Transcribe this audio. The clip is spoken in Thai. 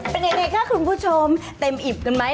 เป็นยังไงคะคุณผู้ชมเต็มอิ่มกันไหม